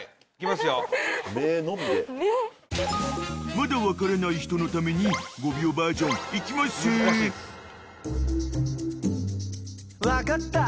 ［まだ分からない人のために５秒バージョンいきまっせ］分かった！